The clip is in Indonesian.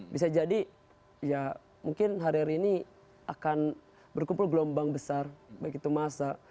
bisa jadi ya mungkin hari ini akan berkumpul gelombang besar begitu masa